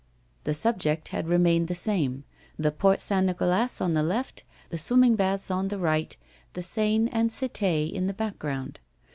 The subject had remained the same the Port St. Nicolas on the left, the swimming baths on the right, the Seine and Cité in the background.